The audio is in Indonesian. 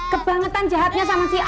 kebangetan jahatnya sama si anak